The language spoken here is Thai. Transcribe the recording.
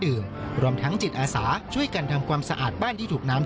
ดื่มรวมทั้งจิตอาสาช่วยกันทำความสะอาดบ้านที่ถูกน้ำ